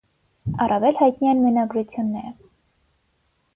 Առավել հայտնի են մենագրությունները։